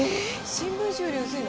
新聞紙より薄いの？